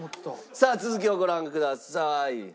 さあ続きをご覧ください。